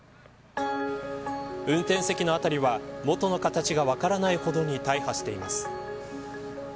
運転席の辺りは元の形が分からないほどに大破しています。